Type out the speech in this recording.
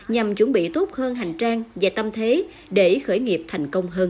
nhằm chuẩn bị tốt hơn hành trang và tâm thế để khởi nghiệp thành công hơn